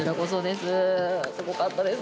すごかったです。